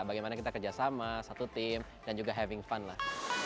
bagaimana kita kerjasama satu tim dan juga having fund lah